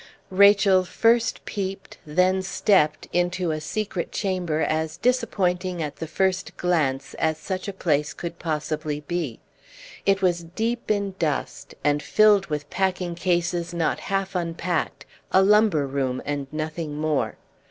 Rachel first peeped, then stepped, into a secret chamber as disappointing at the first glance as such a place could possibly be. It was deep in dust, and filled with packing cases not half unpacked, a lumber room and nothing more.